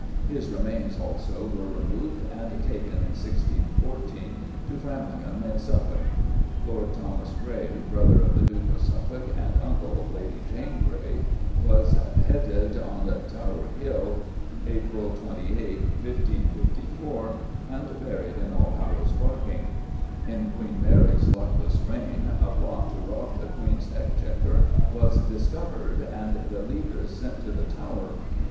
His remains, also, were removed and taken, in 1614, to Framlingham in Suffolk. Lord Thomas Grey, brother of the Duke of Suffolk and uncle of Lady Jane Grey, was "heddyd on Tower Hill, April 28, 1554, and berried at Allhallows Barking." In Queen Mary's luckless reign, "a plot to rob the Queen's Exchequer was discovered and the leaders sent to the Tower."